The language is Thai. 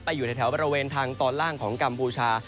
อยู่ในแถวบริเวณทางตอนล่างของกัมพูชา